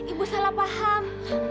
ibu salah paham